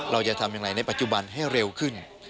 เราจะทำอย่างไรในปัจจุบันให้เร็วขึ้น